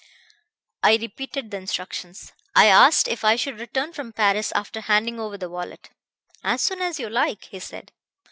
"I repeated the instructions. I asked if I should return from Paris after handing over the wallet. 'As soon as you like,' he said.